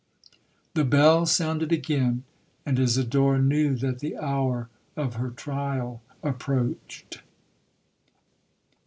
The bell sounded again, and Isidora knew that the hour of her trial approached.